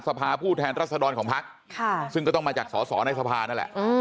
ผู้แทนรัศดรของพักซึ่งก็ต้องมาจากสอสอในสภานั่นแหละ